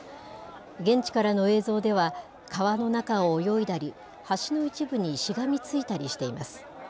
現地からの映像では、川の中を泳いだり、橋の一部にしがみついたりしています。